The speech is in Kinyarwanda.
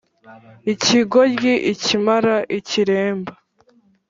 ikigoryi, ikimara, ikiremba ;